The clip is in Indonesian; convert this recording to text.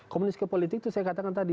komunis ke politik itu saya katakan tadi